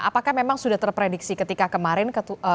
apakah memang sudah terprediksi ketika kemarin